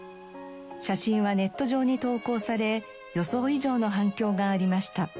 写真はネット上に投稿され予想以上の反響がありました。